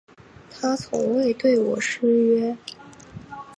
他从未对我失约